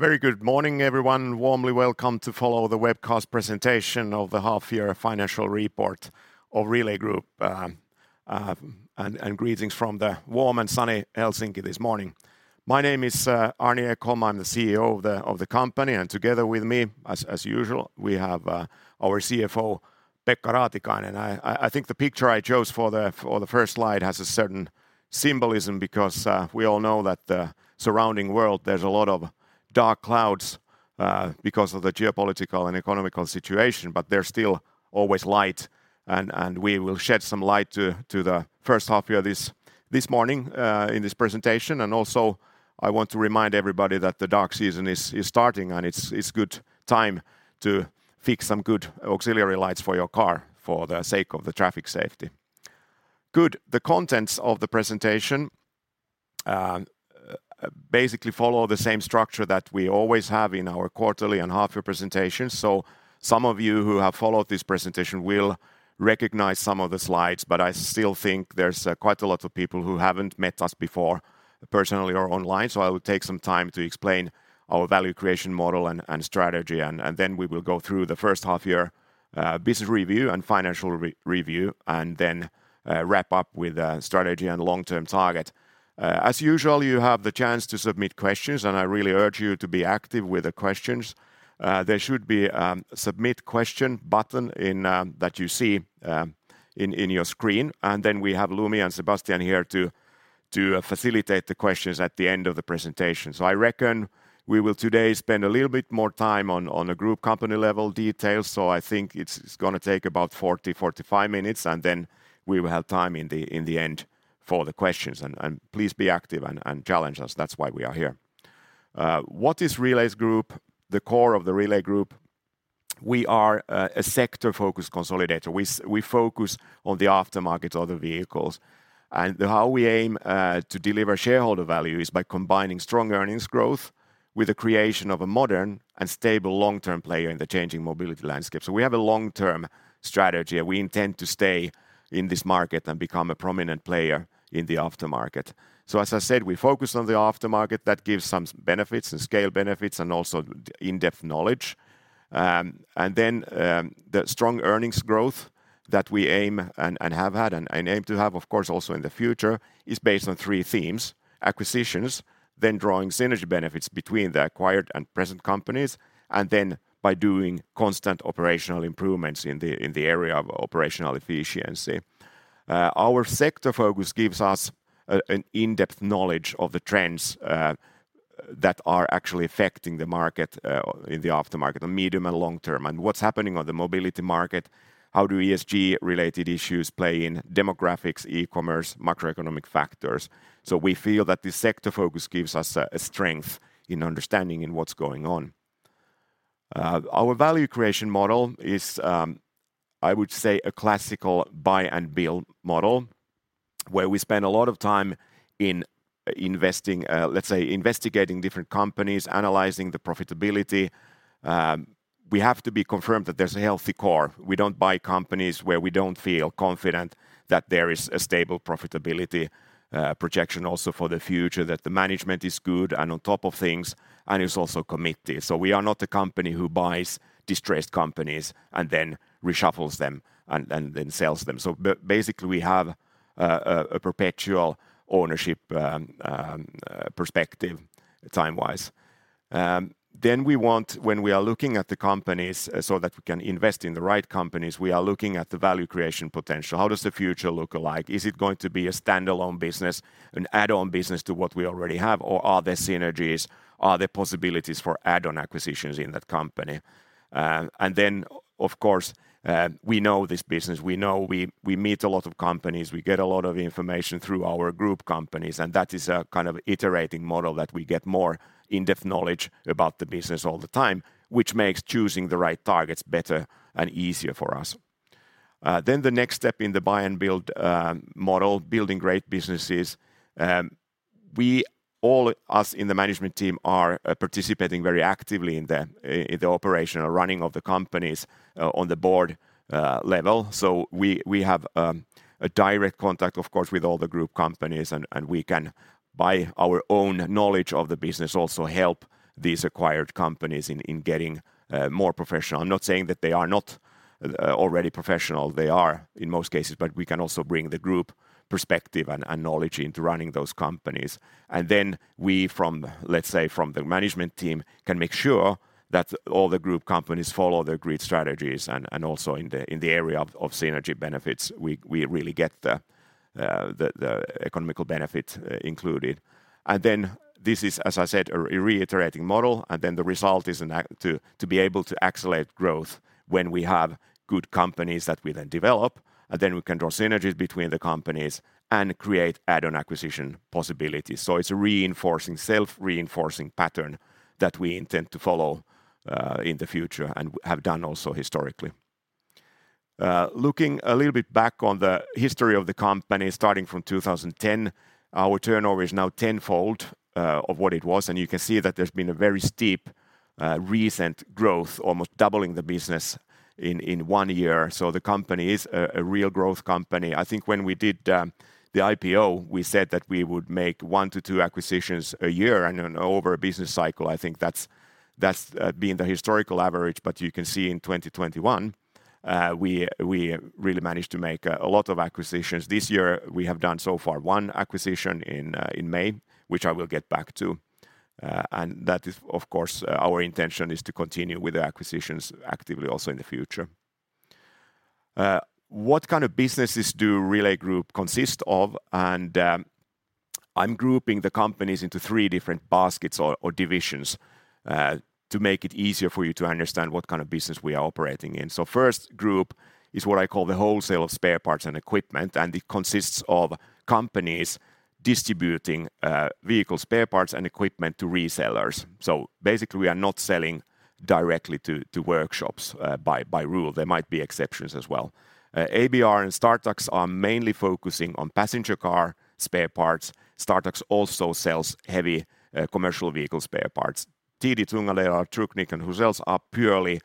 Very good morning, everyone. Warmly welcome to follow the webcast presentation of the half-year financial report of Relais Group. Greetings from the warm and sunny Helsinki this morning. My name is Arni Ekholm. I'm the CEO of the company, and together with me, as usual, we have our CFO, Pekka Raatikainen. I think the picture I chose for the first slide has a certain symbolism because we all know that the surrounding world, there's a lot of dark clouds because of the geopolitical and economic situation, but there's still always light and we will shed some light to the first half year this morning in this presentation. I want to remind everybody that the dark season is starting and it's good time to fix some good auxiliary lights for your car for the sake of the traffic safety. Good. The contents of the presentation basically follow the same structure that we always have in our quarterly and half year presentations. Some of you who have followed this presentation will recognize some of the slides, but I still think there's quite a lot of people who haven't met us before, personally or online, so I will take some time to explain our value creation model and then we will go through the first half year business review and financial review, and then wrap up with strategy and long-term target. As usual, you have the chance to submit questions, and I really urge you to be active with the questions. There should be Submit Question button in that you see in your screen. We have Lumi and Sebastian here to facilitate the questions at the end of the presentation. I reckon we will today spend a little bit more time on the group company level details, so I think it's gonna take about 45 minutes, and then we will have time in the end for the questions. Please be active and challenge us. That's why we are here. What is Relais Group? The core of the Relais Group, we are a sector-focused consolidator. We focus on the aftermarket of the vehicles. How we aim to deliver shareholder value is by combining strong earnings growth with the creation of a modern and stable long-term player in the changing mobility landscape. We have a long-term strategy, and we intend to stay in this market and become a prominent player in the aftermarket. As I said, we focus on the aftermarket. That gives some benefits, some scale benefits, and also in-depth knowledge. The strong earnings growth that we aim and have had and aim to have, of course, also in the future, is based on three themes, acquisitions, then drawing synergy benefits between the acquired and present companies, and then by doing constant operational improvements in the area of operational efficiency. Our sector focus gives us an in-depth knowledge of the trends that are actually affecting the market in the aftermarket, the medium and long term, and what's happening on the mobility market, how ESG-related issues play in demographics, e-commerce, macroeconomic factors. We feel that this sector focus gives us a strength in understanding what's going on. Our value creation model is, I would say, a classical buy and build model, where we spend a lot of time in investing, let's say, investigating different companies, analyzing the profitability. We have to confirm that there's a healthy core. We don't buy companies where we don't feel confident that there is a stable profitability projection also for the future, that the management is good and on top of things, and is also committed. We are not a company who buys distressed companies and then reshuffles them and then sells them. Basically, we have a perpetual ownership perspective time-wise. We want, when we are looking at the companies so that we can invest in the right companies, we are looking at the value creation potential. How does the future look like? Is it going to be a standalone business, an add-on business to what we already have, or are there synergies? Are there possibilities for add-on acquisitions in that company? Of course, we know this business. We know we meet a lot of companies. We get a lot of information through our group companies, and that is a kind of iterating model that we get more in-depth knowledge about the business all the time, which makes choosing the right targets better and easier for us. The next step in the buy and build model, building great businesses, all of us in the management team are participating very actively in the operational running of the companies on the board level. We have a direct contact, of course, with all the group companies, and we can, by our own knowledge of the business, also help these acquired companies in getting more professional. I'm not saying that they are not already professional. They are in most cases, but we can also bring the group perspective and knowledge into running those companies. From the management team, we can make sure that all the group companies follow their agreed strategies and also in the area of synergy benefits, we really get the economic benefit included. This is, as I said, a reiterating model, and the result is to be able to accelerate growth when we have good companies that we then develop, and we can draw synergies between the companies and create add-on acquisition possibilities. It's a reinforcing, self-reinforcing pattern that we intend to follow in the future and have done also historically. Looking a little bit back on the history of the company, starting from 2010, our turnover is now tenfold of what it was, and you can see that there's been a very steep recent growth, almost doubling the business in one year. The company is a real growth company. I think when we did the IPO, we said that we would make one to two acquisitions a year. Over a business cycle, I think that's been the historical average. You can see in 2021, we really managed to make a lot of acquisitions. This year, we have done so far one acquisition in May, which I will get back to. That is, of course, our intention to continue with the acquisitions actively also in the future. What kind of businesses do Relais Group consist of? I'm grouping the companies into three different baskets or divisions to make it easier for you to understand what kind of business we are operating in. First group is what I call the wholesale of spare parts and equipment, and it consists of companies distributing vehicle spare parts and equipment to resellers. Basically, we are not selling directly to workshops by rule. There might be exceptions as well. ABR and Startax are mainly focusing on passenger car spare parts. Startax also sells heavy commercial vehicle spare parts. TD Tunga Delar, Trucknik and Huzells are purely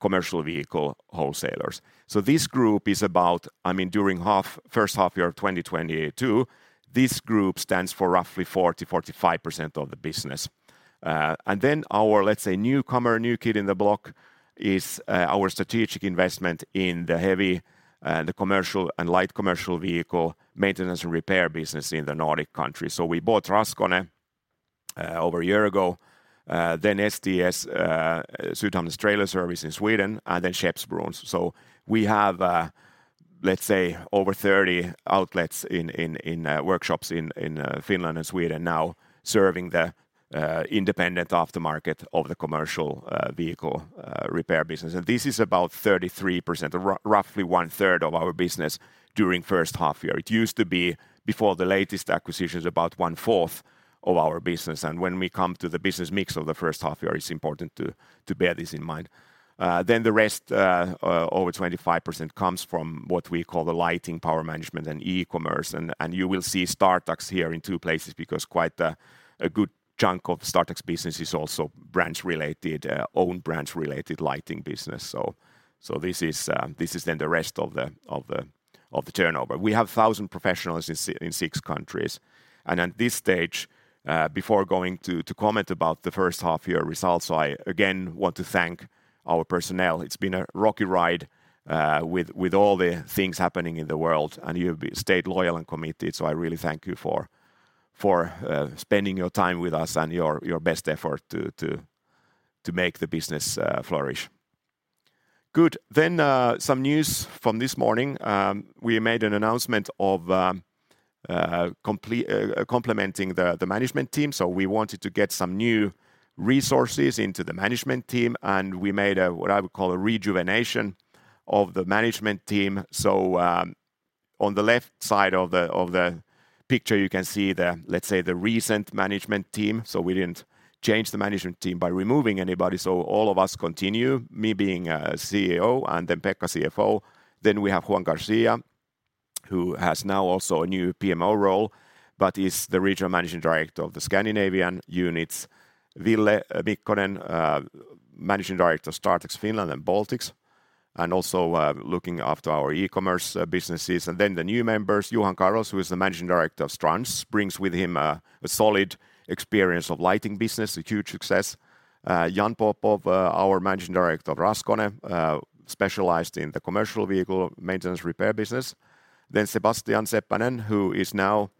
commercial vehicle wholesalers. This group is about. I mean, during first half year of 2022, this group stands for roughly 40%-45% of the business. Our, let's say, newcomer, new kid on the block is our strategic investment in the heavy commercial and light commercial vehicle maintenance and repair business in the Nordic countries. We bought Raskone over a year ago, then STS Sydhamnens Trailer Service in Sweden, and then Skeppsbrons. We have, let's say, over 30 outlets in workshops in Finland and Sweden now serving the independent aftermarket of the commercial vehicle repair business. This is about 33%, roughly one-third of our business during first half year. It used to be, before the latest acquisitions, about one-fourth of our business. When we come to the business mix of the first half year, it's important to bear this in mind. The rest, over 25% comes from what we call the lighting power management and e-commerce. You will see Startax here in two places because quite a good chunk of Startax business is also branch related, own branch related lighting business. This is then the rest of the turnover. We have 1,000 professionals in six countries. At this stage, before going to comment about the first half year results, I again want to thank our personnel. It's been a rocky ride, with all the things happening in the world, and you have stayed loyal and committed. I really thank you for spending your time with us and your best effort to make the business flourish. Good. Some news from this morning. We made an announcement of complementing the management team. We wanted to get some new resources into the management team, and we made a, what I would call a rejuvenation of the management team. On the left side of the picture, you can see the, let's say, the recent management team. We didn't change the management team by removing anybody. All of us continue, me being CEO, and then Pekka, CFO. We have Juan Garcia, who has now also a new PMO role, but is the Regional Managing Director of the Scandinavian units. Ville Mikkonen, Managing Director of Startax Finland and Baltics, and also looking after our e-commerce businesses. The new members, Johan Carlos, who is the Managing Director of Strands, brings with him a solid experience of lighting business, a huge success. Jan Popov, our Managing Director of Raskone, specialized in the commercial vehicle maintenance repair business. Sebastian Seppänen, who is now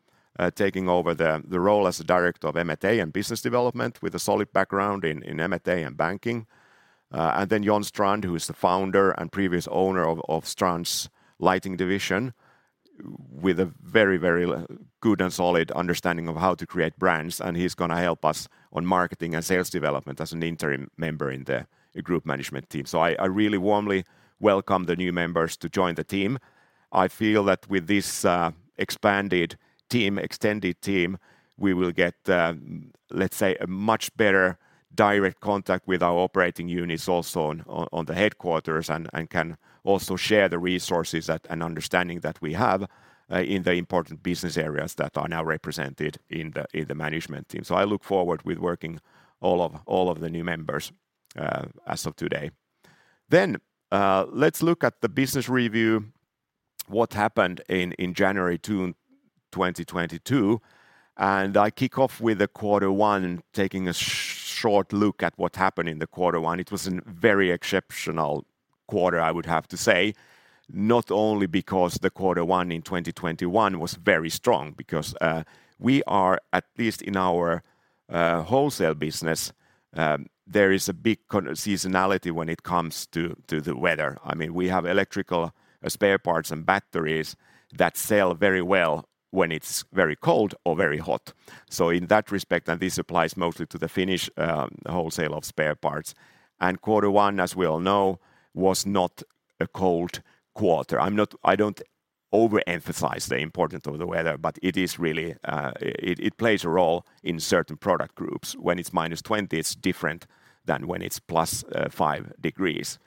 taking over the role as the Director of M&A and Business Development with a solid background in M&A and banking. Jon Strand, who is the founder and previous owner of Strands Lighting Division, with a very good and solid understanding of how to create brands, and he's gonna help us on marketing and sales development as an interim member in the group management team. I really warmly welcome the new members to join the team. I feel that with this expanded team, extended team, we will get, let's say, a much better direct contact with our operating units also on the headquarters and can also share the resources and understanding that we have in the important business areas that are now represented in the management team. I look forward with working all of the new members as of today. Let's look at the business review, what happened in January 2022. I kick off with quarter one, taking a short look at what happened in quarter one. It was a very exceptional quarter, I would have to say, not only because the quarter one in 2021 was very strong because we are, at least in our wholesale business, there is a big seasonality when it comes to the weather. I mean, we have electrical spare parts and batteries that sell very well when it's very cold or very hot. So in that respect, and this applies mostly to the Finnish wholesale of spare parts, and quarter one, as we all know, was not a cold quarter. I don't overemphasize the importance of the weather, but it is really, it plays a role in certain product groups. When it's -20, it's different than when it's +5 degrees.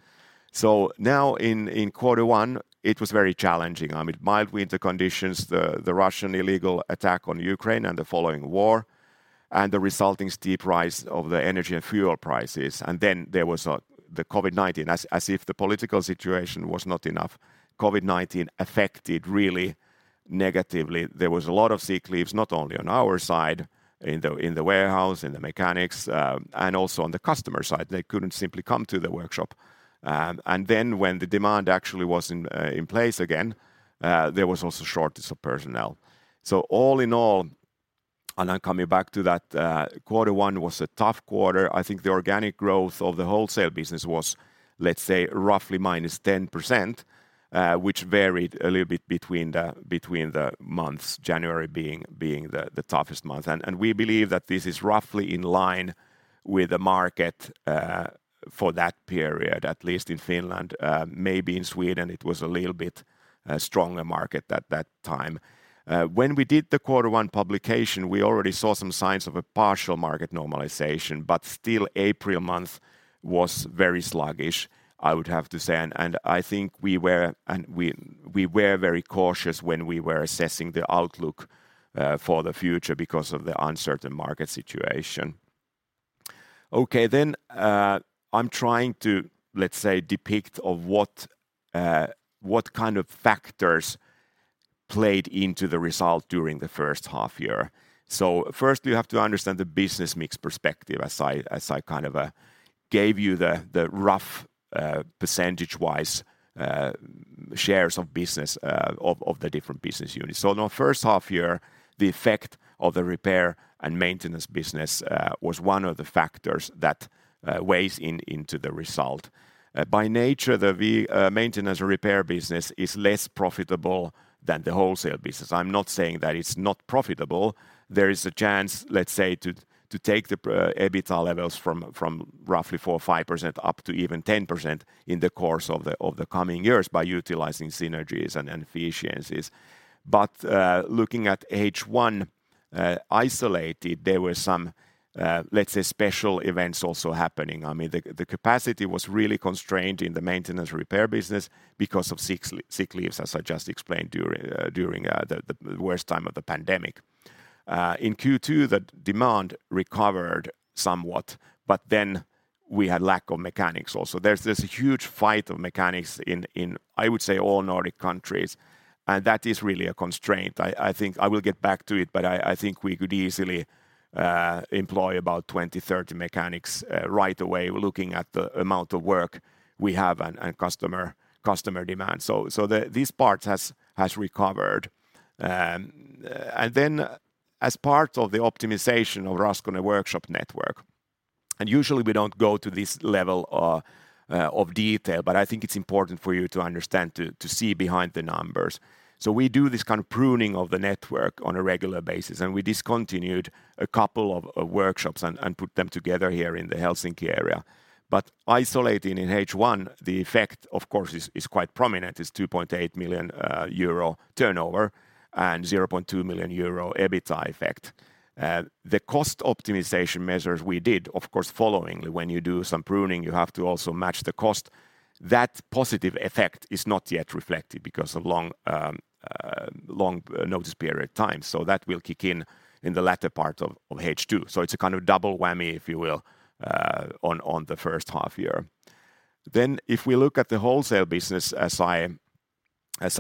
So now in quarter one, it was very challenging. I mean, mild winter conditions, the Russian illegal attack on Ukraine and the following war, and the resulting steep rise of the energy and fuel prices. There was the COVID-19. As if the political situation was not enough, COVID-19 affected really negatively. There was a lot of sick leaves, not only on our side, in the warehouse, in the mechanics, and also on the customer side. They couldn't simply come to the workshop. When the demand actually was in place again, there was also shortage of personnel. All in all, and I'm coming back to that, quarter one was a tough quarter. I think the organic growth of the wholesale business was, let's say, roughly -10%, which varied a little bit between the months, January being the toughest month. We believe that this is roughly in line with the market for that period, at least in Finland. Maybe in Sweden it was a little bit stronger market at that time. When we did the quarter one publication, we already saw some signs of a partial market normalization. Still, April month was very sluggish, I would have to say. I think we were very cautious when we were assessing the outlook for the future because of the uncertain market situation. Okay. I'm trying to, let's say, depict what kind of factors played into the result during the first half year. First you have to understand the business mix perspective as I kind of gave you the rough percentage-wise shares of business of the different business units. The first half year, the effect of the repair and maintenance business was one of the factors that weighs in into the result. By nature, the maintenance and repair business is less profitable than the wholesale business. I'm not saying that it's not profitable. There is a chance, let's say, to take the EBITDA levels from roughly 4% or 5% up to even 10% in the course of the coming years by utilizing synergies and efficiencies. Looking at H1 isolated, there were some, let's say, special events also happening. I mean, the capacity was really constrained in the maintenance repair business because of sick leaves, as I just explained, during the worst time of the pandemic. In Q2, the demand recovered somewhat, but then we had lack of mechanics also. There's this huge fight for mechanics in, I would say, all Nordic countries, and that is really a constraint. I think I will get back to it, but I think we could easily employ about 20-30 mechanics right away looking at the amount of work we have and customer demand. This part has recovered. As part of the optimization of Raskone workshop network, usually we don't go to this level of detail, but I think it's important for you to understand, to see behind the numbers. We do this kind of pruning of the network on a regular basis, and we discontinued a couple of workshops and put them together here in the Helsinki area. Isolating in H1, the effect, of course, is quite prominent. It's 2.8 million euro turnover and 0.2 million euro EBITDA effect. The cost optimization measures we did, of course, following. When you do some pruning, you have to also match the cost. That positive effect is not yet reflected because of long notice period time. That will kick in in the latter part of H2. It's a kind of double whammy, if you will, on the first half year. If we look at the wholesale business, as I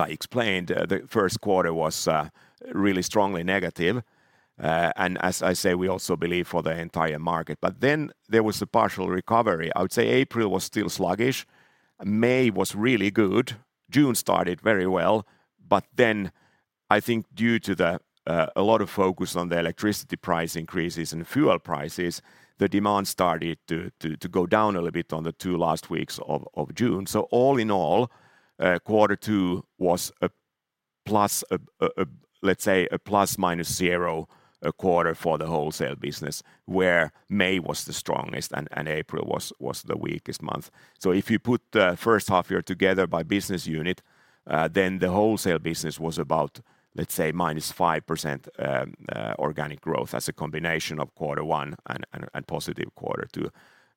explained, the first quarter was really strongly negative. And as I say, we also believe for the entire market. Then there was a partial recovery. I would say April was still sluggish. May was really good. June started very well. Then I think due to a lot of focus on the electricity price increases and fuel prices, the demand started to go down a little bit on the two last weeks of June. All in all, quarter two was a plus, let's say a plus-minus zero, quarter for the wholesale business, where May was the strongest and April was the weakest month. If you put the first half year together by business unit, then the wholesale business was about, let's say, minus 5%, organic growth as a combination of quarter one and positive quarter two.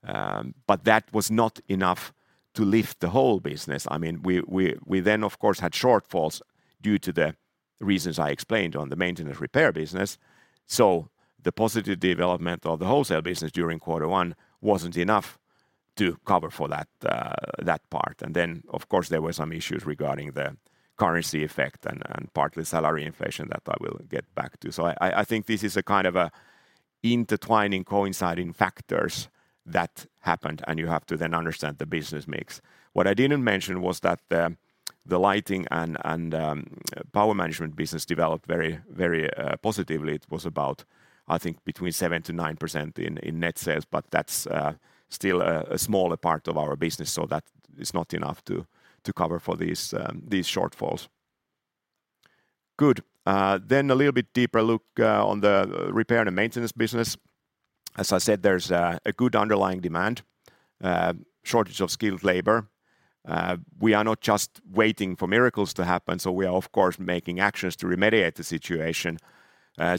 That was not enough to lift the whole business. I mean, we then, of course, had shortfalls due to the reasons I explained on the maintenance repair business. The positive development of the wholesale business during quarter one wasn't enough to cover for that part. Then of course, there were some issues regarding the currency effect and partly salary inflation that I will get back to. I think this is a kind of a intertwining, coinciding factors that happened, and you have to then understand the business mix. What I didn't mention was that the lighting and power management business developed very positively. It was about, I think, between 7%-9% in net sales, but that's still a smaller part of our business, so that is not enough to cover for these shortfalls. Good. A little bit deeper look on the repair and maintenance business. As I said, there's a good underlying demand. Shortage of skilled labor. We are not just waiting for miracles to happen, so we are of course making actions to remediate the situation.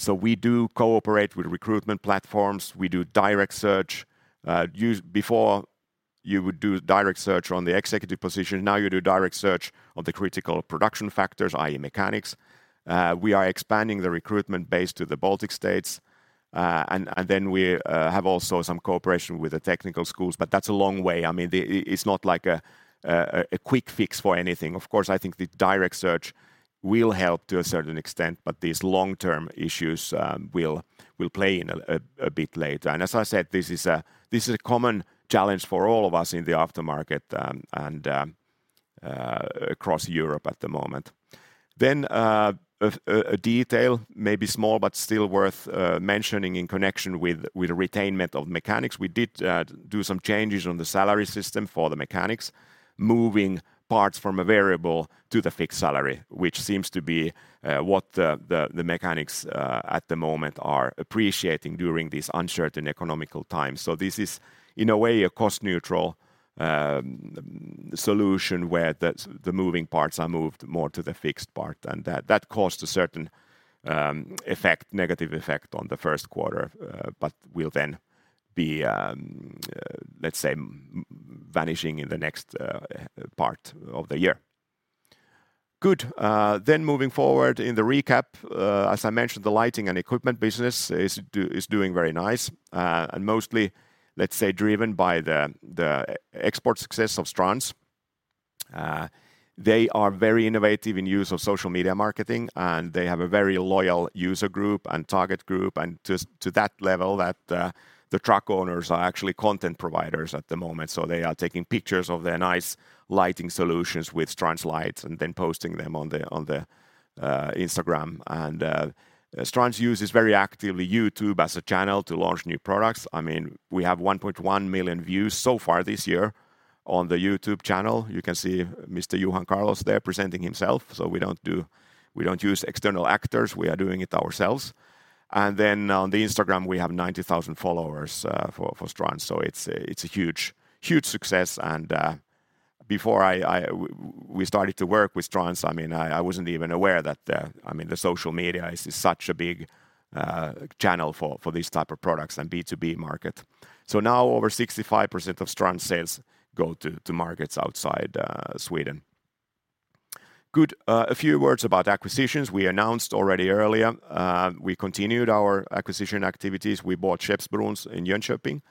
We do cooperate with recruitment platforms. We do direct search before you would do direct search on the executive position, now you do direct search on the critical production factors, i.e. mechanics. We are expanding the recruitment base to the Baltic states, and then we have also some cooperation with the technical schools, but that's a long way. I mean, it's not like a quick fix for anything. Of course, I think the direct search will help to a certain extent, but these long-term issues will play in a bit later. As I said, this is a common challenge for all of us in the aftermarket, across Europe at the moment. A detail, maybe small, but still worth mentioning in connection with the retention of mechanics, we did some changes on the salary system for the mechanics, moving parts from a variable to the fixed salary, which seems to be what the mechanics at the moment are appreciating during these uncertain economic times. This is, in a way, a cost-neutral solution where the moving parts are moved more to the fixed part, and that caused a certain negative effect on the first quarter, but will then be, let's say, vanishing in the next part of the year. Good. Moving forward in the recap, as I mentioned, the lighting and equipment business is doing very nice, and mostly, let's say, driven by the export success of Strands. They are very innovative in use of social media marketing, and they have a very loyal user group and target group, and to that level that the truck owners are actually content providers at the moment. They are taking pictures of their nice lighting solutions with Strands lights and then posting them on Instagram. Strands uses very actively YouTube as a channel to launch new products. I mean, we have 1.1 million views so far this year on the YouTube channel. You can see Mr. Johan Carlos there presenting himself. We don't use external actors. We are doing it ourselves. Then on the Instagram, we have 90,000 followers for Strands. It's a huge success. Before we started to work with Strands, I mean, I wasn't even aware that I mean, social media is such a big channel for these type of products and B2B market. Now over 65% of Strands sales go to markets outside Sweden. Good. A few words about acquisitions. We announced already earlier we continued our acquisition activities. We bought Skeppsbrons Jönköping,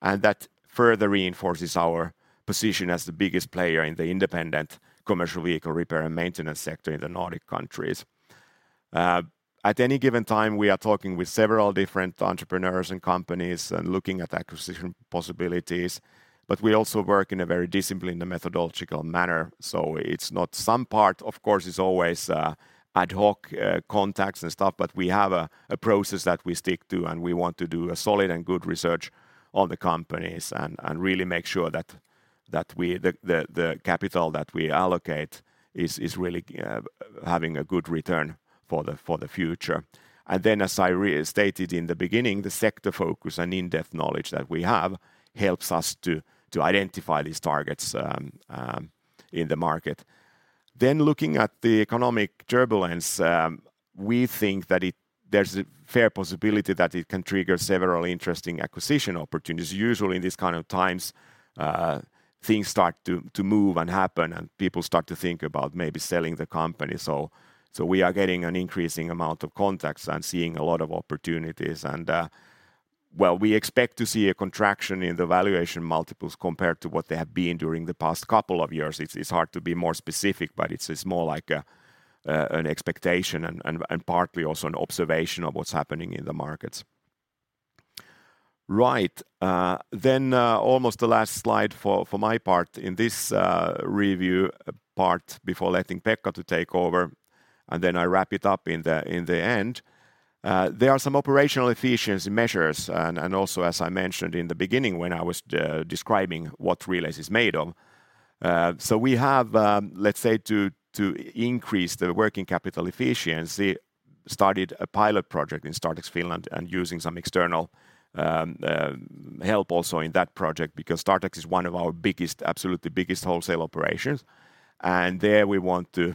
and that further reinforces our position as the biggest player in the independent commercial vehicle repair and maintenance sector in the Nordic countries. At any given time, we are talking with several different entrepreneurs and companies and looking at acquisition possibilities, but we also work in a very disciplined and methodological manner. It's not some part, of course, is always ad hoc contacts and stuff, but we have a process that we stick to, and we want to do a solid and good research on the companies and really make sure that the capital that we allocate is really having a good return for the future. As I restated in the beginning, the sector focus and in-depth knowledge that we have helps us to identify these targets in the market. Looking at the economic turbulence, we think that there's a fair possibility that it can trigger several interesting acquisition opportunities. Usually in these kind of times, things start to move and happen, and people start to think about maybe selling the company. So we are getting an increasing amount of contacts and seeing a lot of opportunities. Well, we expect to see a contraction in the valuation multiples compared to what they have been during the past couple of years. It's hard to be more specific, but it's more like an expectation and partly also an observation of what's happening in the markets. Right. Almost the last slide for my part in this review part before letting Pekka to take over, and then I wrap it up in the end. There are some operational efficiency measures and also as I mentioned in the beginning when I was describing what Relais is made of. We have, let's say to increase the working capital efficiency, started a pilot project in Startax Finland and using some external help also in that project because Startax is one of our biggest, absolutely biggest wholesale operations. There we want to,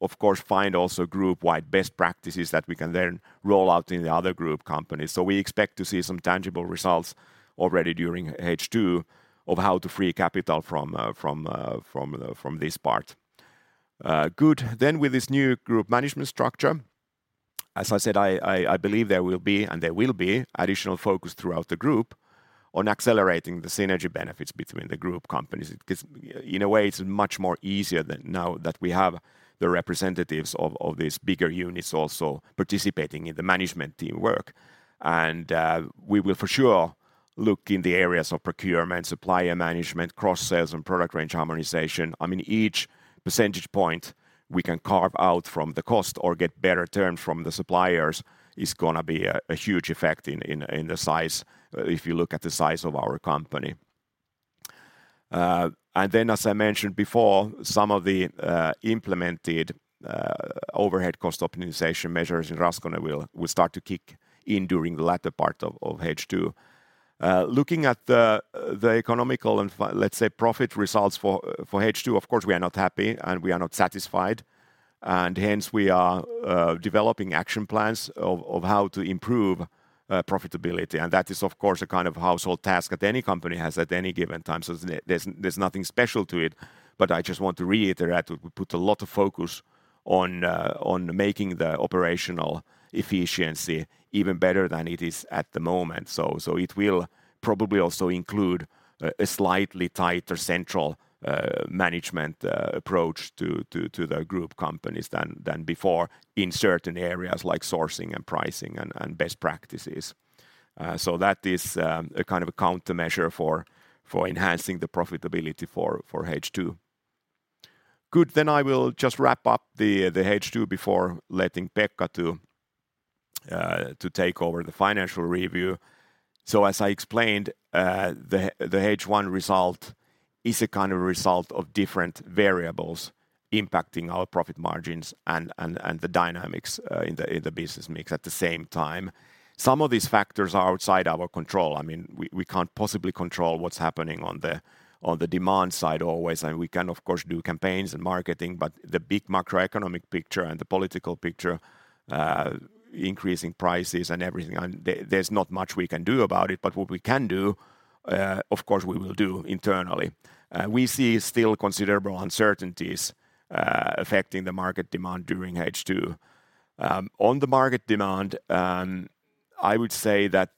of course find also group-wide best practices that we can then roll out in the other group companies. We expect to see some tangible results already during H2 of how to free capital from this part. With this new group management structure, as I said, I believe there will be additional focus throughout the group on accelerating the synergy benefits between the group companies. It gives. In a way, it's much more easier than now that we have the representatives of these bigger units also participating in the management team work. We will for sure look in the areas of procurement, supplier management, cross-sales, and product range harmonization. I mean, each percentage point we can carve out from the cost or get better terms from the suppliers is gonna be a huge effect in the size, if you look at the size of our company. As I mentioned before, some of the implemented overhead cost optimization measures in Raskone will start to kick in during the latter part of H2. Looking at the economic and, let's say, profit results for H2, of course, we are not happy and we are not satisfied, and hence we are developing action plans of how to improve profitability. That is, of course, a kind of housekeeping task that any company has at any given time. There's nothing special to it. I just want to reiterate, we put a lot of focus on making the operational efficiency even better than it is at the moment. It will probably also include a slightly tighter central management approach to the group companies than before in certain areas like sourcing, and pricing, and best practices. That is a kind of countermeasure for enhancing the profitability for H2. Good. I will just wrap up the H2 before letting Pekka to take over the financial review. As I explained, the H1 result is a kind of result of different variables impacting our profit margins and the dynamics in the business mix at the same time. Some of these factors are outside our control. I mean, we can't possibly control what's happening on the demand side always, and we can of course do campaigns and marketing, but the big macroeconomic picture and the political picture, increasing prices and everything and there's not much we can do about it. What we can do, of course, we will do internally. We see still considerable uncertainties affecting the market demand during H2. On the market demand, I would say that.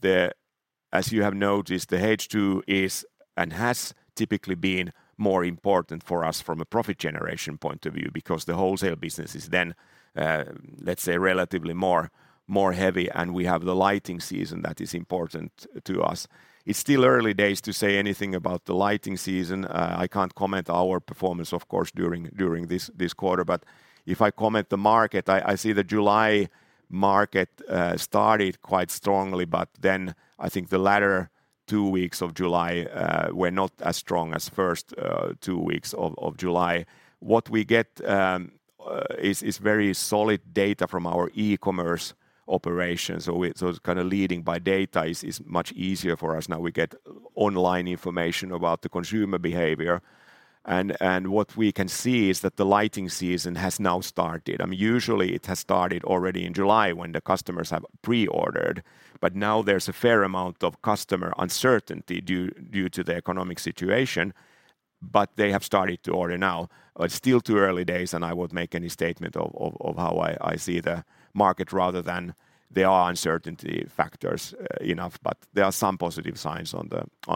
As you have noticed, the H2 is and has typically been more important for us from a profit generation point of view because the wholesale business is then, let's say, relatively more heavy, and we have the lighting season that is important to us. It's still early days to say anything about the lighting season. I can't comment our performance, of course, during this quarter. If I comment the market, I see the July market started quite strongly, but then I think the latter 2 weeks of July were not as strong as first two weeks of July. What we get is very solid data from our e-commerce operations. It's kind of leading by data is much easier for us now. We get online information about the consumer behavior. What we can see is that the lighting season has now started. I mean, usually it has started already in July when the customers have pre-ordered. Now there's a fair amount of customer uncertainty due to the economic situation. They have started to order now. It's still too early days, and I won't make any statement of how I see the market rather than there are uncertainty factors enough. There are some positive signs on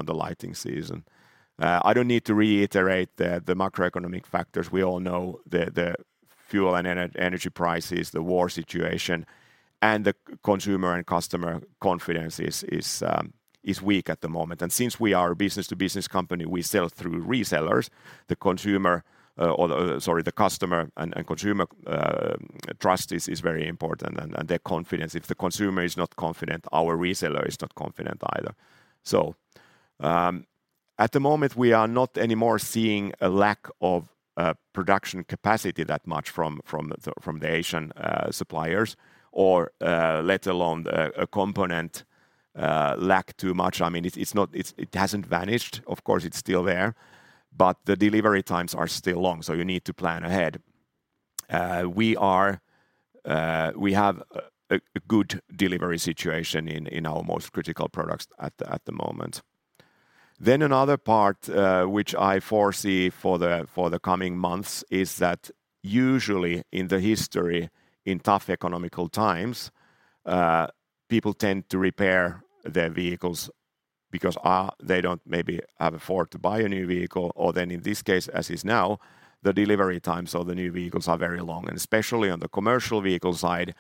the lighting season. I don't need to reiterate the macroeconomic factors. We all know the fuel and energy prices, the war situation, and the consumer and customer confidence is weak at the moment. Since we are a business to business company, we sell through resellers. The customer and consumer trust is very important and their confidence. If the consumer is not confident, our reseller is not confident either. At the moment, we are not anymore seeing a lack of production capacity that much from the Asian suppliers or let alone a component lack too much. I mean, it's not. It hasn't vanished. Of course, it's still there. But the delivery times are still long, so you need to plan ahead. We have a good delivery situation in our most critical products at the moment. Another part which I foresee for the coming months is that usually in the history, in tough economic times, people tend to repair their vehicles because they maybe can't afford to buy a new vehicle. In this case, as is now, the delivery times of the new vehicles are very long, and especially on the commercial vehicle side,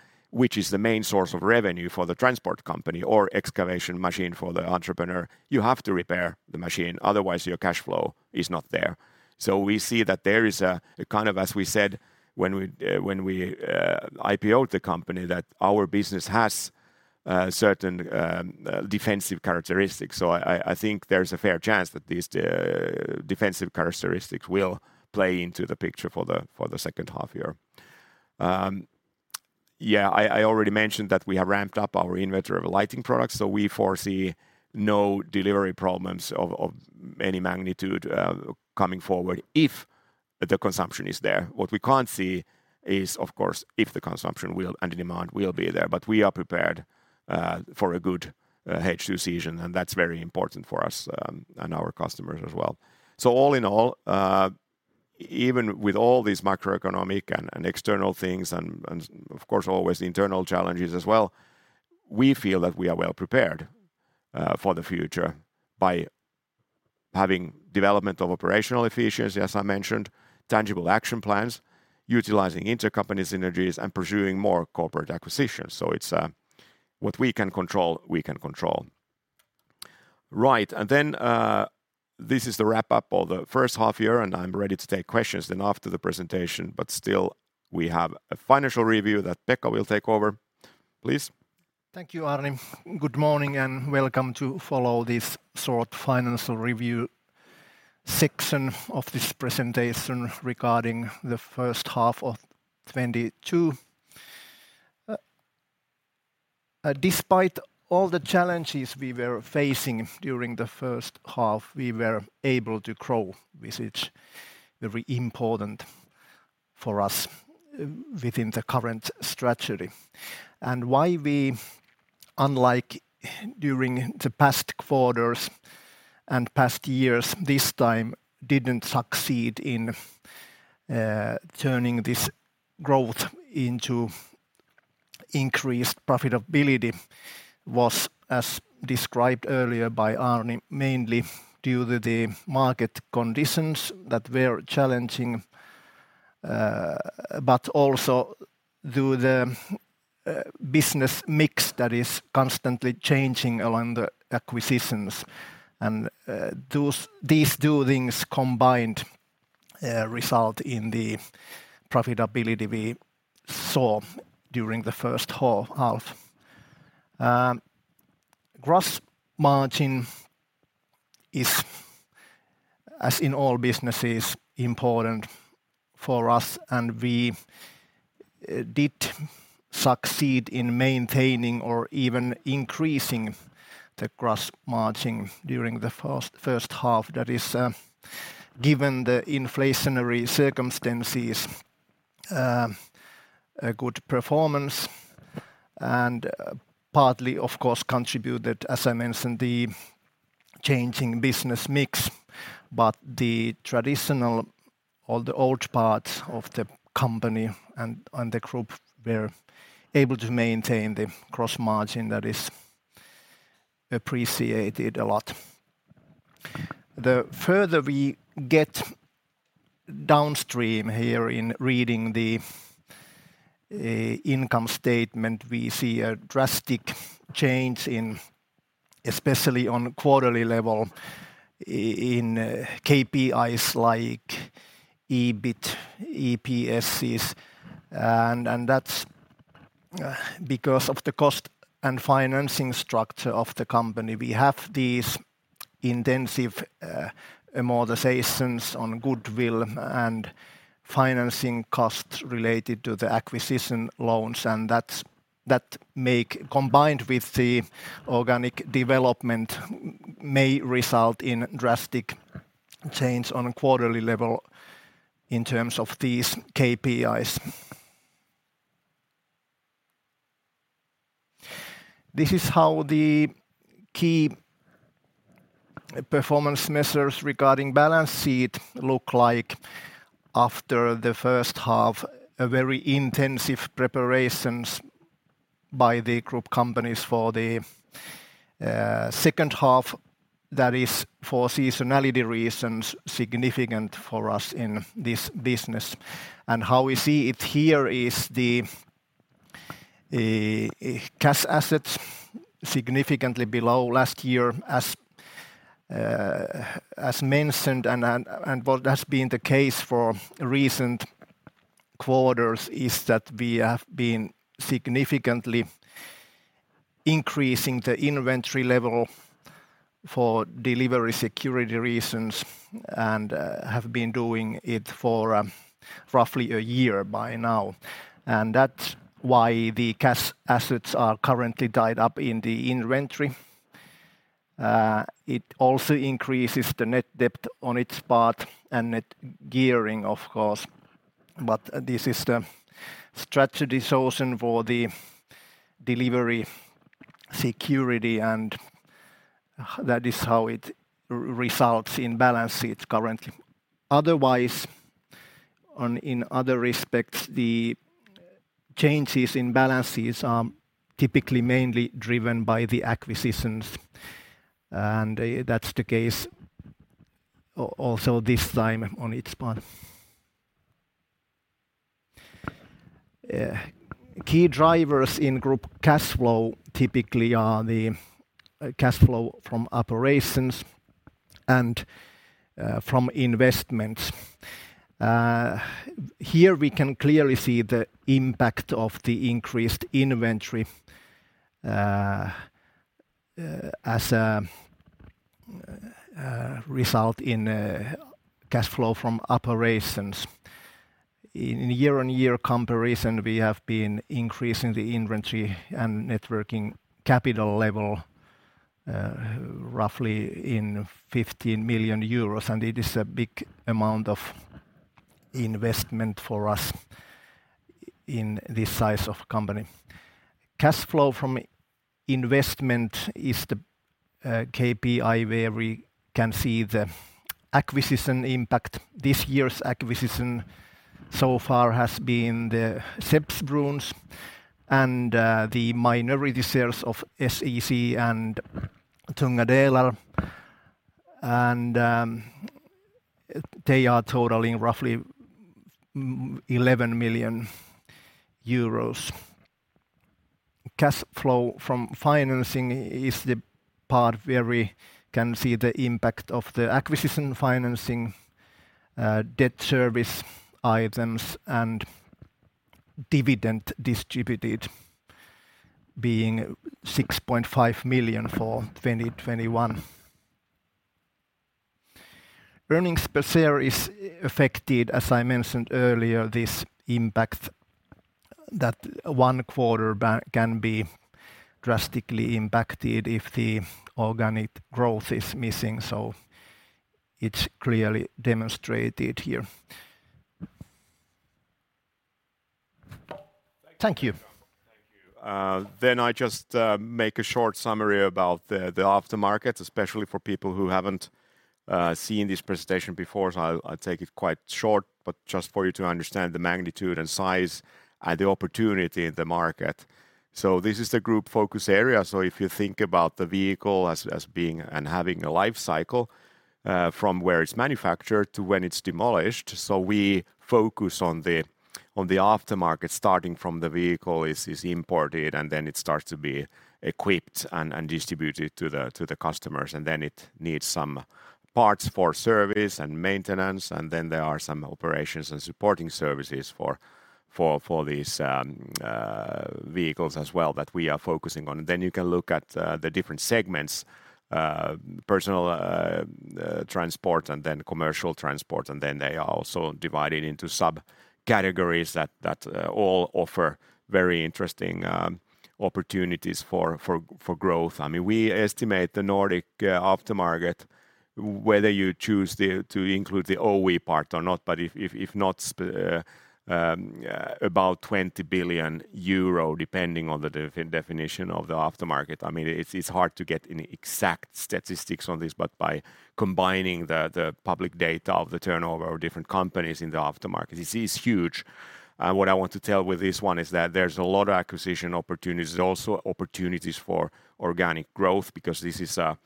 which is the main source of revenue for the transport company or excavation machine for the entrepreneur. You have to repair the machine, otherwise your cash flow is not there. We see that there is a kind of as we said when we IPOed the company that our business has certain defensive characteristics. I think there's a fair chance that these defensive characteristics will play into the picture for the second half year. I already mentioned that we have ramped up our inventory of lighting products, so we foresee no delivery problems of any magnitude coming forward if the consumption is there. What we can't see is, of course, if the consumption and demand will be there. We are prepared for a good H2 season, and that's very important for us and our customers as well. All in all, even with all these macroeconomic and external things and, of course, always the internal challenges as well, we feel that we are well prepared for the future by having development of operational efficiency, as I mentioned, tangible action plans, utilizing intercompany synergies and pursuing more corporate acquisitions. It's what we can control, we can control. Right. This is the wrap-up of the first half year, and I'm ready to take questions then after the presentation. Still we have a financial review that Pekka will take over. Please. Thank you, Arne. Good morning and welcome to follow this short financial review section of this presentation regarding the first half of 2022. Despite all the challenges we were facing during the first half, we were able to grow, which is very important for us within the current strategy. Why we, unlike during the past quarters and past years, this time didn't succeed in turning this growth into increased profitability was, as described earlier by Arne, mainly due to the market conditions that were challenging, but also due to the business mix that is constantly changing around the acquisitions and those these two things combined result in the profitability we saw during the first half. Gross margin is, as in all businesses, important for us, and we did succeed in maintaining or even increasing the gross margin during the first half. That is, given the inflationary circumstances, a good performance and partly of course contributed, as I mentioned, the changing business mix, but the traditional or the old parts of the company and the group were able to maintain the gross margin that is appreciated a lot. The further we get downstream here in reading the income statement, we see a drastic change in especially on quarterly level in KPIs like EBIT, EPSs and that's because of the cost and financing structure of the company. We have these intensive amortizations on goodwill and financing costs related to the acquisition loans and that make combined with the organic development may result in drastic change on a quarterly level in terms of these KPIs. This is how the key performance measures regarding balance sheet look like after the first half, a very intensive preparations by the group companies for the second half. That is for seasonality reasons significant for us in this business. How we see it here is the cash assets significantly below last year as mentioned and what has been the case for recent quarters is that we have been significantly increasing the inventory level for delivery security reasons and have been doing it for roughly a year by now. That's why the cash assets are currently tied up in the inventory. It also increases the net debt on its part and net gearing of course. This is the strategy solution for the delivery security and that is how it results in balance sheets currently. Otherwise, on In other respects, the changes in balances are typically mainly driven by the acquisitions, and that's the case also this time on its part. Key drivers in group cash flow typically are the cash flow from operations and from investments. Here we can clearly see the impact of the increased inventory as a result in cash flow from operations. In year-on-year comparison, we have been increasing the inventory and net working capital level roughly 50 million euros, and it is a big amount of investment for us in this size of company. Cash flow from investment is the KPI where we can see the acquisition impact. This year's acquisition so far has been the Skeppsbrons Jönköping and the minority sales of SEC and Tunga Delar, and they are totaling roughly EUR 11 million. Cash flow from financing is the part where we can see the impact of the acquisition financing, debt service items and dividend distributed, being EUR 6.5 million for 2021. Earnings per share is affected, as I mentioned earlier, this impact that one quarter back can be drastically impacted if the organic growth is missing. It's clearly demonstrated here. Thank you. Thank you. Thank you. I just make a short summary about the aftermarket, especially for people who haven't seen this presentation before. I'll take it quite short, but just for you to understand the magnitude and size and the opportunity in the market. This is the group focus area. If you think about the vehicle as being and having a life cycle, from where it's manufactured to when it's demolished. We focus on the aftermarket starting from the vehicle is imported and then it starts to be equipped and distributed to the customers and then it needs some parts for service and maintenance and then there are some operations and supporting services for these vehicles as well that we are focusing on. You can look at the different segments, personal transport and then commercial transport and then they are also divided into subcategories that all offer very interesting opportunities for growth. I mean, we estimate the Nordic aftermarket whether you choose to include the OE part or not, but if not, about 20 billion euro depending on the definition of the aftermarket. I mean, it's hard to get any exact statistics on this, but by combining the public data of the turnover of different companies in the aftermarket, it is huge. What I want to tell with this one is that there's a lot of acquisition opportunities. There's also opportunities for organic growth because this is a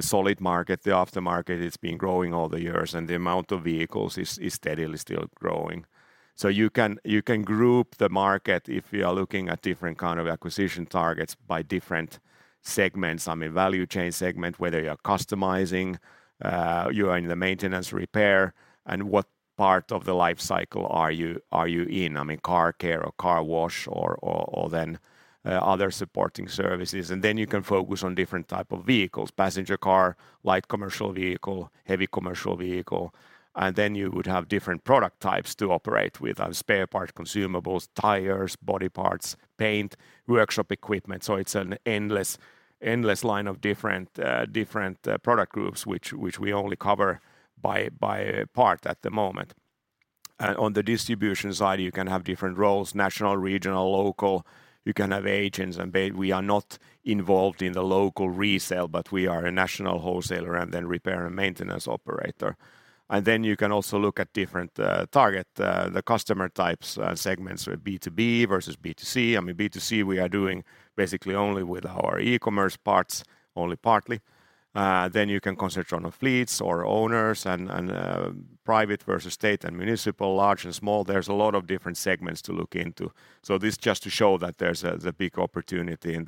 solid market. The aftermarket, it's been growing all the years and the amount of vehicles is steadily still growing. You can group the market if you are looking at different kind of acquisition targets by different segments. I mean, value chain segment, whether you are customizing, you are in the maintenance repair and what part of the life cycle are you in? I mean, car care or car wash or then other supporting services. Then you can focus on different type of vehicles, passenger car, light commercial vehicle, heavy commercial vehicle, and then you would have different product types to operate with, spare parts, consumables, tires, body parts, paint, workshop equipment. It's an endless line of different product groups which we only cover by part at the moment. On the distribution side, you can have different roles, national, regional, local. You can have agents and bay. We are not involved in the local resale, but we are a national wholesaler and then repair and maintenance operator. You can also look at different customer types, segments, so B2B versus B2C. I mean, B2C we are doing basically only with our e-commerce parts, only partly. You can concentrate on fleets or owners and private versus state and municipal, large and small. There's a lot of different segments to look into. This just to show that there's a big opportunity in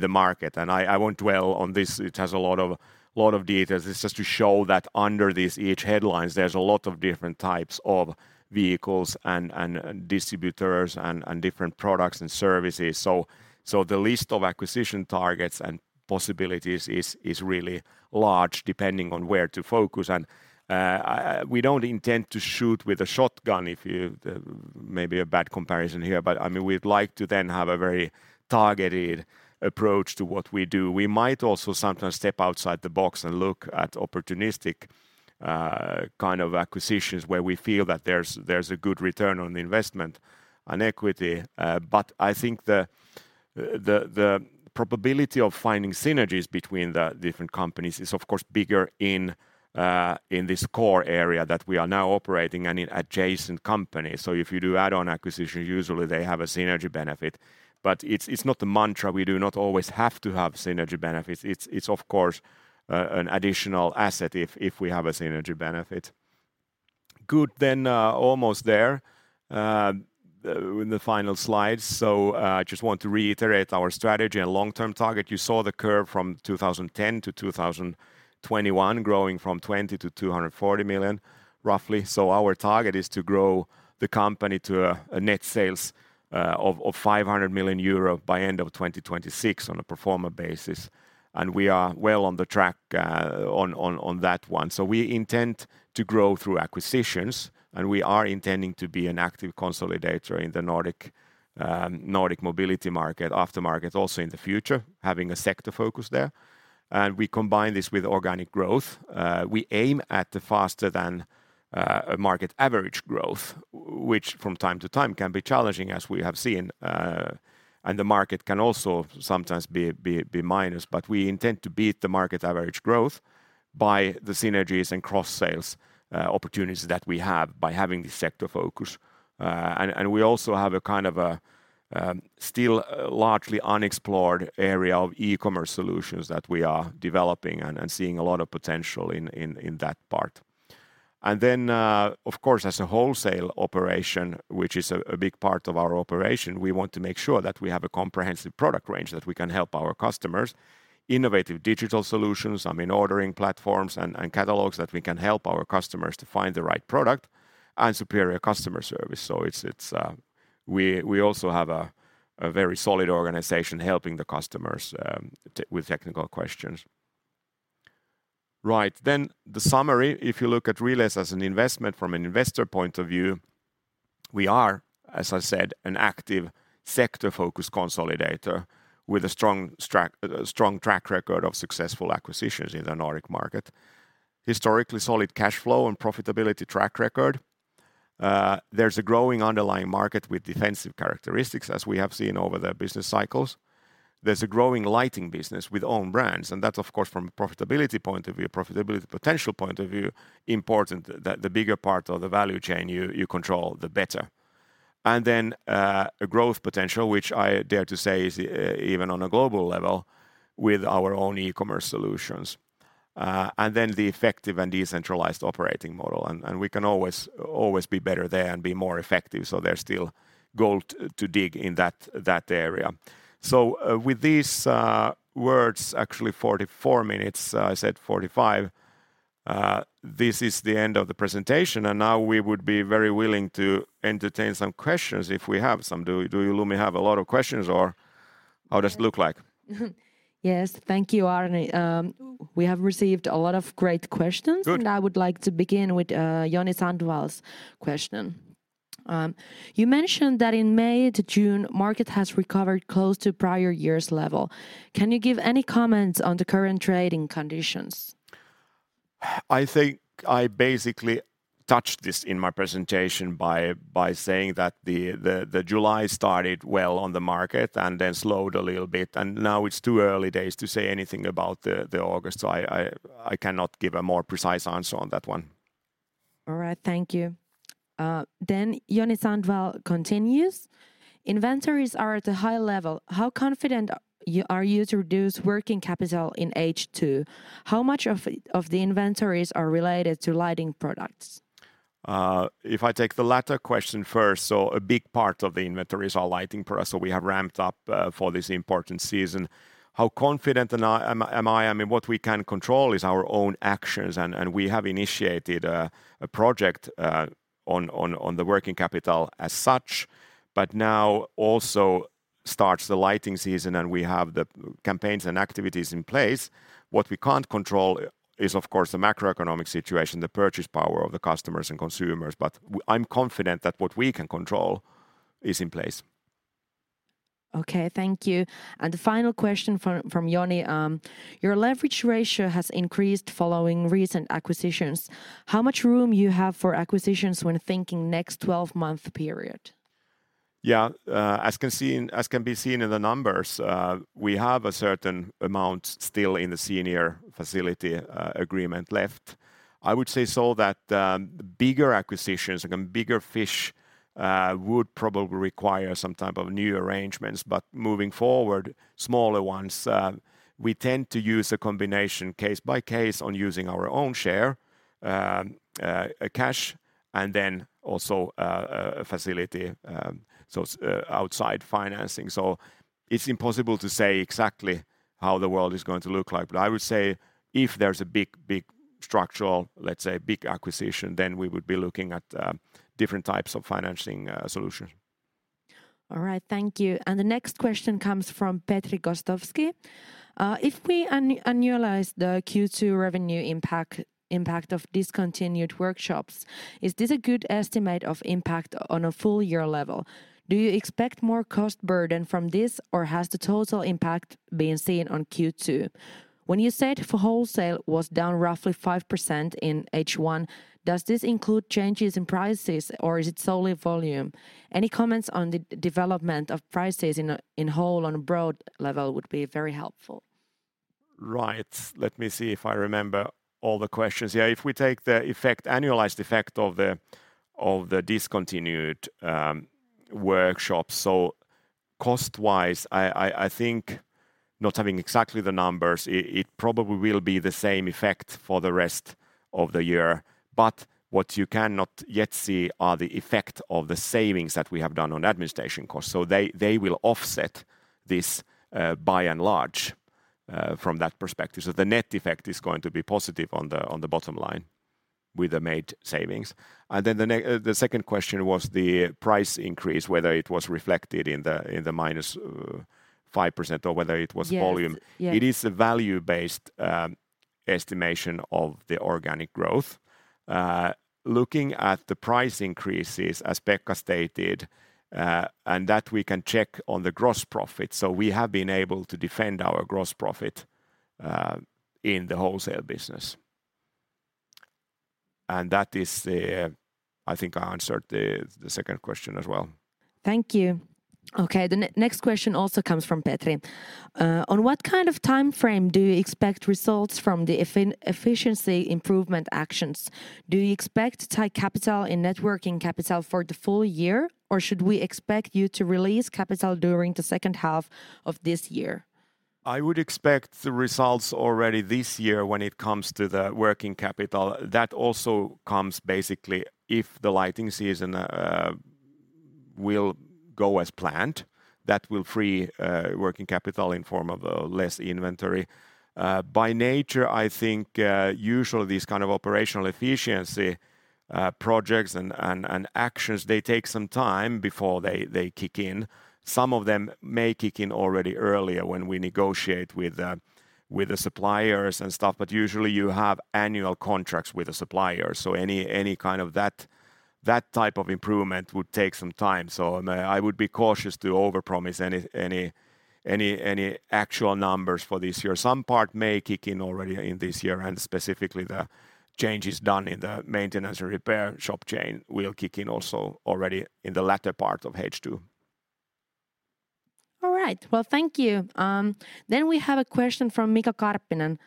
the market. I won't dwell on this. It has a lot of details. It's just to show that under these each headlines, there's a lot of different types of vehicles and distributors and different products and services. The list of acquisition targets and possibilities is really large depending on where to focus. We don't intend to shoot with a shotgun. Maybe a bad comparison here, but I mean, we'd like to then have a very targeted approach to what we do. We might also sometimes step outside the box and look at opportunistic kind of acquisitions where we feel that there's a good return on investment and equity. I think the probability of finding synergies between the different companies is of course bigger in this core area that we are now operating and in adjacent companies. If you do add-on acquisition, usually they have a synergy benefit. It's not a mantra. We do not always have to have synergy benefits. It's of course an additional asset if we have a synergy benefit. Good. Almost there in the final slides. Just want to reiterate our strategy and long-term target. You saw the curve from 2010-2021 growing from 20 million-240 million roughly. Our target is to grow the company to net sales of 500 million euro by end of 2026 on a pro forma basis and we are well on the track on that one. We intend to grow through acquisitions and we are intending to be an active consolidator in the Nordic vehicle aftermarket also in the future having a sector focus there. We combine this with organic growth. We aim at a faster than a market average growth which from time to time can be challenging as we have seen. The market can also sometimes be minus, but we intend to beat the market average growth by the synergies and cross-sales opportunities that we have by having this sector focus. We also have a kind of a still largely unexplored area of e-commerce solutions that we are developing and seeing a lot of potential in that part. Of course as a wholesale operation which is a big part of our operation, we want to make sure that we have a comprehensive product range that we can help our customers, innovative digital solutions, I mean ordering platforms and catalogs that we can help our customers to find the right product and superior customer service. It's we also have a very solid organization helping the customers with technical questions. Right. The summary, if you look at Relais as an investment from an investor point of view, we are, as I said, an active sector-focused consolidator with a strong track record of successful acquisitions in the Nordic market. Historically solid cash flow and profitability track record. There's a growing underlying market with defensive characteristics, as we have seen over the business cycles. There's a growing lighting business with own brands, and that's of course from a profitability point of view, profitability potential point of view, important that the bigger part of the value chain you control the better. A growth potential, which I dare to say is even on a global level with our own e-commerce solutions. The effective and decentralized operating model and we can always be better there and be more effective so there's still gold to dig in that area. With these words, actually 44 minutes, I said 45, this is the end of the presentation and now we would be very willing to entertain some questions if we have some. Do you Lumi have a lot of questions or how does it look like? Yes. Thank you, Arni. We have received a lot of great questions. Good I would like to begin with Joni Sandvall's question. You mentioned that in May to June, market has recovered close to prior year's level. Can you give any comments on the current trading conditions? I think I basically touched this in my presentation by saying that the July started well on the market and then slowed a little bit and now it's too early days to say anything about the August, so I cannot give a more precise answer on that one. All right. Thank you. Joni Sandvall continues: Inventories are at a high level. How confident are you to reduce working capital in H2? How much of the inventories are related to lighting products? If I take the latter question first, so a big part of the inventories are lighting. We have ramped up for this important season. How confident am I? I mean, what we can control is our own actions and we have initiated a project on the working capital as such. Now also starts the lighting season, and we have the campaigns and activities in place. What we can't control is, of course, the macroeconomic situation, the purchasing power of the customers and consumers, but I'm confident that what we can control is in place. Okay. Thank you. The final question from Joni, your leverage ratio has increased following recent acquisitions. How much room you have for acquisitions when thinking next 12-month period? Yeah. As can be seen in the numbers, we have a certain amount still in the senior facility agreement left. I would say so that bigger acquisitions, again, bigger fish, would probably require some type of new arrangements, but moving forward, smaller ones, we tend to use a combination case by case on using our own share cash, and then also a facility, so outside financing. It's impossible to say exactly how the world is going to look like. I would say if there's a big structural, let's say big acquisition, then we would be looking at different types of financing solutions. All right. Thank you. The next question comes from Petri Gostowski. If we annualize the Q2 revenue impact of discontinued workshops, is this a good estimate of impact on a full year level? Do you expect more cost burden from this, or has the total impact been seen on Q2? When you said for wholesale was down roughly 5% in H1, does this include changes in prices or is it solely volume? Any comments on the development of prices as a whole on a broad level would be very helpful. Right. Let me see if I remember all the questions. Yeah, if we take the effect, annualized effect of the discontinued workshops, so cost-wise, I think not having exactly the numbers, it probably will be the same effect for the rest of the year. What you cannot yet see are the effect of the savings that we have done on administration costs. They will offset this by and large from that perspective. The net effect is going to be positive on the bottom line with the made savings. The second question was the price increase, whether it was reflected in the minus 5% or whether it was volume. Yes. Yeah. It is a value-based estimation of the organic growth. Looking at the price increases, as Pekka stated, and that we can check on the gross profit. We have been able to defend our gross profit in the wholesale business. I think I answered the second question as well. Thank you. Okay. The next question also comes from Petri. On what kind of timeframe do you expect results from the efficiency improvement actions? Do you expect tied capital in net working capital for the full year, or should we expect you to release capital during the second half of this year? I would expect the results already this year when it comes to the working capital. That also comes basically if the lighting season will go as planned. That will free working capital in form of less inventory. By nature, I think usually these kind of operational efficiency projects and actions, they take some time before they kick in. Some of them may kick in already earlier when we negotiate with the suppliers and stuff, but usually you have annual contracts with the suppliers. Any kind of that type of improvement would take some time. I would be cautious to overpromise any actual numbers for this year. Some part may kick in already in this year, and specifically the changes done in the maintenance or repair shop chain will kick in also already in the latter part of H2. All right. Well, thank you. We have a question from Mika Karppinen: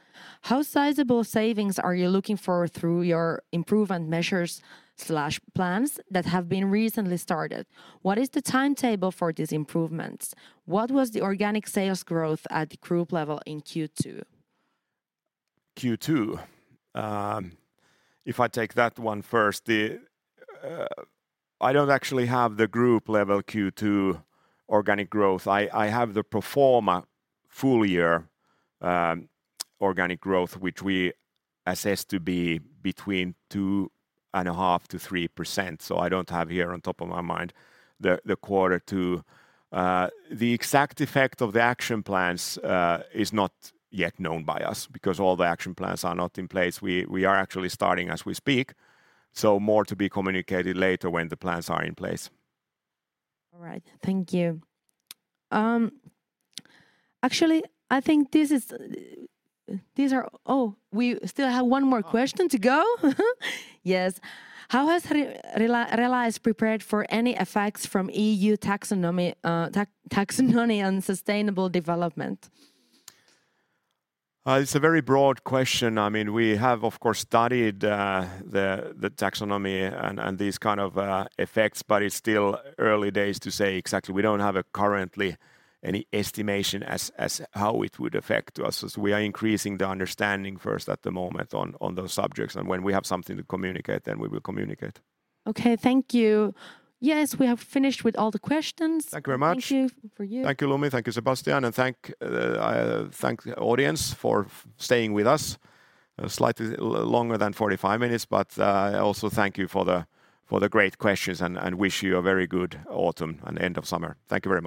How sizable savings are you looking for through your improvement measures slash plans that have been recently started? What is the timetable for these improvements? What was the organic sales growth at the group level in Q2? Q2. If I take that one first. I don't actually have the group level Q2 organic growth. I have the pro forma full year organic growth, which we assess to be between 2.5%-3%. I don't have off the top of my head the exact effect of the action plans is not yet known by us because all the action plans are not in place. We are actually starting as we speak, more to be communicated later when the plans are in place. All right. Thank you. Actually, we still have one more question to go. Yes. How has Relais prepared for any effects from EU Taxonomy on sustainable development? It's a very broad question. I mean, we have, of course, studied the taxonomy and these kind of effects, but it's still early days to say exactly. We don't currently have any estimation as how it would affect us. We are increasing the understanding first at the moment on those subjects, and when we have something to communicate, then we will communicate. Okay. Thank you. Yes, we have finished with all the questions. Thank you very much. Thank you. For you. Thank you, Lumi. Thank you, Sebastian. Thank the audience for staying with us, slightly longer than 45 minutes. I also thank you for the great questions and wish you a very good autumn and end of summer. Thank you very much.